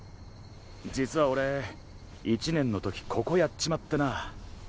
実は俺１年の時ここやっちまってな。